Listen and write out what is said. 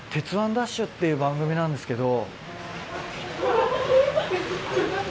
ＤＡＳＨ‼』っていう番組なんですけど。